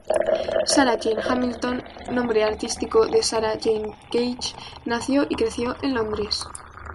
Sarah Jane Hamilton, nombre artístico de Sarah Jane Gage, nació y creció en Londres.